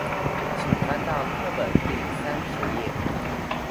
請翻到課本第三十頁